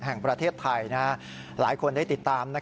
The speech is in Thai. แห่งประเทศไทยหลายคนได้ติดตาม